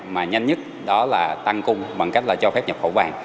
mà nhanh nhất đó là tăng cung bằng cách là cho phép nhập khẩu vàng